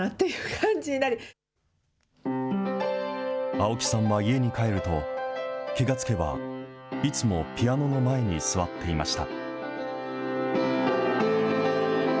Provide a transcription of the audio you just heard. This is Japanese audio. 青木さんは家に帰ると、気が付けばいつもピアノの前に座っていました。